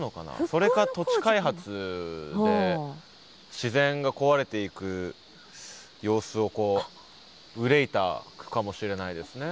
それか土地開発で自然が壊れていく様子をこう憂いた句かもしれないですね。